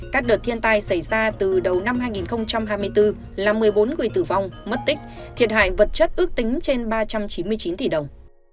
các đợt thiên tai xảy ra từ đầu năm hai nghìn hai mươi bốn là một mươi bốn người tử vong mất tích thiệt hại vật chất ước tính trên ba trăm chín mươi chín tỷ đồng